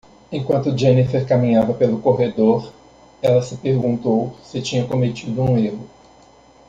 Enquanto Jennifer caminhava pelo corredor, ela se perguntou se tinha cometido um erro.